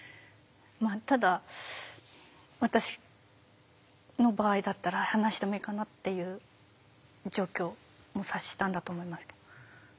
ただ私の場合だったら話してもいいかなっていう状況も察したんだと思いますけど。